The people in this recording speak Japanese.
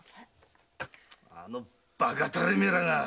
あのバカタレめらが！